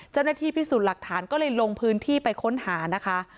เจ้าหน้าที่พิสูจน์หลักฐานก็เลยลงพื้นที่ไปค้นหานะคะ